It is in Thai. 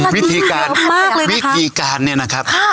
วิธีการวิกีการเนี่ยนะครับ